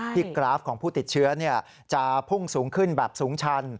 กราฟของผู้ติดเชื้อจะพุ่งสูงขึ้นแบบสูงชัน